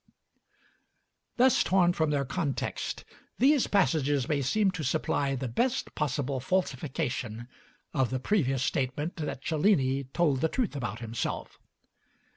Thus torn from their context, these passages may seem to supply the best possible falsification of the previous statement that Cellini told the truth about himself.